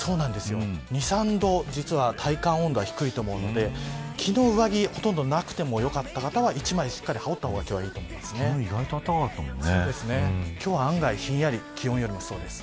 ２、３度、実は体感温度が低いと思うので昨日、上着ほとんどなくてもよかった方は１枚しっかり羽織った方が今日は案外ひんやりする予想です。